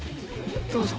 どうぞ。